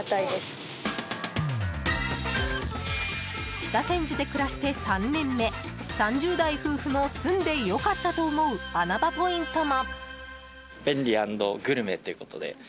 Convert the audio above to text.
北千住で暮らして３年目３０代夫婦の住んで良かったと思う穴場ポイントも。